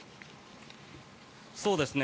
そうですね。